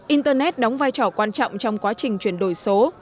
internet đóng vai trò quan trọng trong quá trình chuyển đổi số